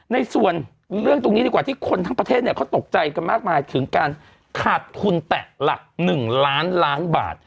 ในส่วนเรื่องตรงนี้ดีกว่าที่คนทั้งประเทศเนี่ยเขาตกใจกันมากมายถึงการขาดทุนแตะหลัก๑ล้านล้านบาท